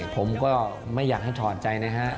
ผมก็ไม่อยากให้ถอดใจนะฮะ